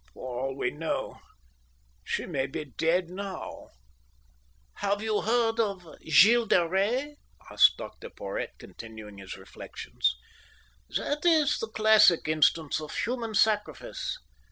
"For all we know she may be dead now." "Have you ever heard of Gilles de Rais?" said Dr Porhoët, continuing his reflections. "That is the classic instance of human sacrifice.